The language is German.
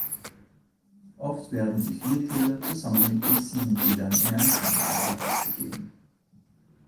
Oft werden die Vier Täler zusammen mit den Sieben Tälern in einem Sammelband herausgegeben.